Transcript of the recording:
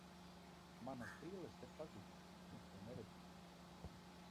Manas brilles ir pazudušas, neko neredzu.